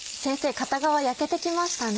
片側焼けてきましたね。